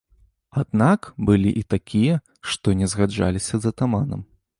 Аднак былі і такія, што не згаджаліся з атаманам.